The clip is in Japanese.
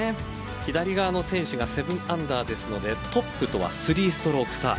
左側の選手が７アンダーですのでトップとは３ストローク差。